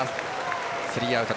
スリーアウト。